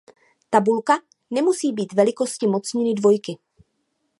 Tabulka nemusí být velikosti mocniny dvojky.